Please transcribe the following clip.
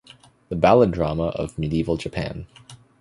The Ballad-Drama of Medieval Japan.